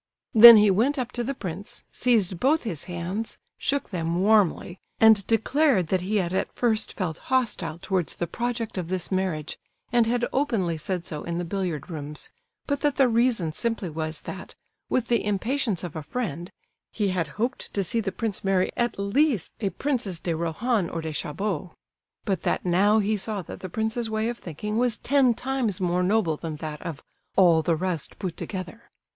Then he went up to the prince, seized both his hands, shook them warmly, and declared that he had at first felt hostile towards the project of this marriage, and had openly said so in the billiard rooms, but that the reason simply was that, with the impatience of a friend, he had hoped to see the prince marry at least a Princess de Rohan or de Chabot; but that now he saw that the prince's way of thinking was ten times more noble than that of "all the rest put together."